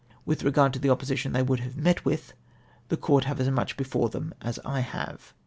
With regard to the opposition they would have met with, the court have as much before THEM AS T HxVVE."